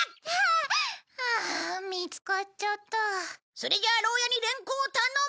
それじゃあ牢屋に連行頼む。